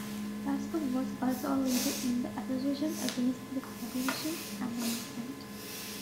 Raskob was also a leader in the Association Against the Prohibition Amendment.